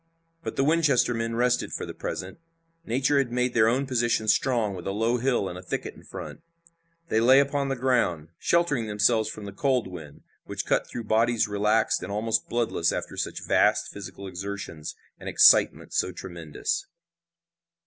But the Winchester men rested for the present. Nature had made their own position strong with a low hill, and a thicket in front. They lay upon the ground, sheltering themselves from the cold wind, which cut through bodies relaxed and almost bloodless after such vast physical exertions and excitement so tremendous.